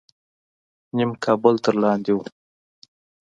نیم کابل تر لاندې و.